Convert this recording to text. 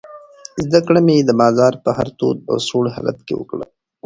زده کړه مې د بازار په هر تود او سوړ حالت کې وکړه.